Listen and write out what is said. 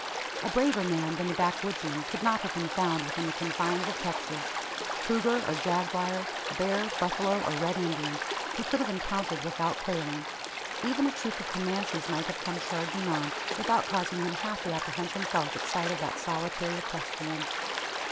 A braver man than the backwoodsman could not have been found within the confines of Texas. Cougar, or jaguar bear, buffalo, or Red Indian he could have encountered without quailing. Even a troop of Comanches might have come charging on, without causing him half the apprehension felt at sight of that solitary equestrian.